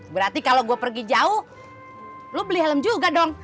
berarti kalau gue pergi jauh lo beli helm juga dong